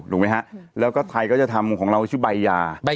ถ้าไทยก็จะทำของเราชื่อใบยา